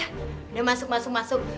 udah masuk masuk masuk